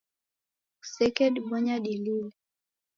Kusekedibonya dilile